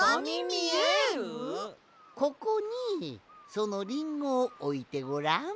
ここにそのリンゴをおいてごらん。